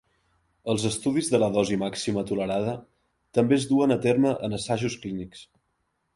Els estudis de la dosi màxima tolerada també es duen a terme en assajos clínics.